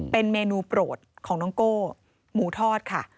เป็นเมนูโปรดของน้องโก้หมูทอดค่ะ